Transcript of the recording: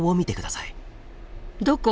どこ？